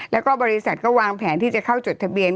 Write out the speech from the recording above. แล้วก็บริษัทก็วางแผนที่จะเข้าจดทะเบียน